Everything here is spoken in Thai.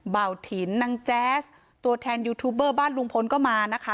เบาถินนางแจ๊สตัวแทนยูทูบเบอร์บ้านลุงพลก็มานะคะ